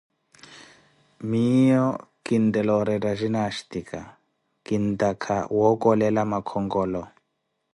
miiyo quinttela oretta jinastica, kintakha wookola makhonkolo.